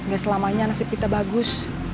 gak selamanya nasib kita bagus